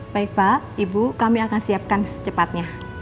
baik pak ibu kami akan siapkan secepatnya